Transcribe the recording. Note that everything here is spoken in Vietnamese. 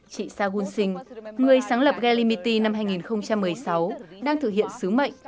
chị sahgun singh người sáng lập galimity năm hai nghìn một mươi sáu đang thực hiện sứ mệnh